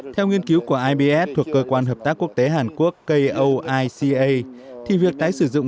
theo nghiên cứu của ibs thuộc cơ quan hợp tác quốc tế hàn quốc koica thì việc tái sử dụng